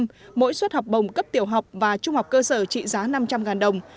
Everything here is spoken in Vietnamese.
trong mỗi suất học bồng cấp tiểu học và trung học cơ sở trị giá năm trăm linh đồng